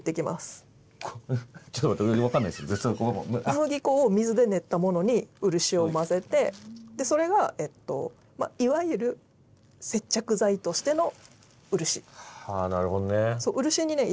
小麦粉を水で練ったものに漆を混ぜてそれがいわゆるはあなるほどね。